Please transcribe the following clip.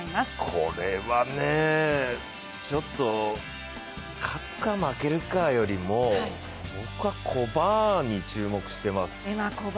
これはね、ちょっと勝つか負けるかよりも僕はエマ・コバーンに注目しています。